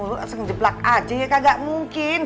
lu asal ngejeblak aja ya kagak mungkin